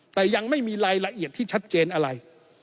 แต่ยังไม่มีรายละเอียดที่ชัดเจนอะไร